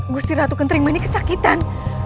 gusiratu kentrimanik kesakitan